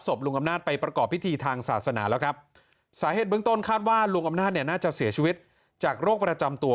สาเหตุเบื้องต้นคาดว่าลุงอำนาจเนี่ยน่าจะเสียชวิตจากโรคประจำตัว